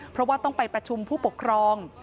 เพราะว่าต้องไปประชุมผู้ปกครอง